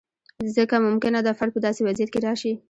ځکه ممکنه ده فرد په داسې وضعیت کې راشي.